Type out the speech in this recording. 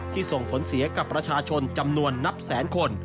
ส่งผลเสียกับประชาชนจำนวนนับแสนคน